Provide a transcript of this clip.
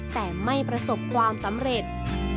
แต่ไม่ประสบความสำเร็จ